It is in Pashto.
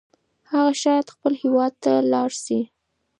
هغه شاید خپل هیواد ته لاړ شي.